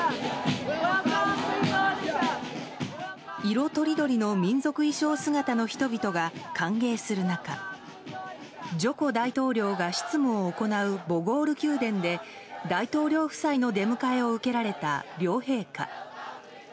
色とりどりの民族衣装姿の人々が歓迎する中ジョコ大統領が執務を行うボゴール宮殿で大統領夫妻の出迎えを受けられた両陛下。